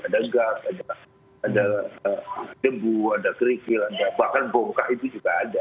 ada gas ada debu ada kerikil ada bahkan bongkar itu juga ada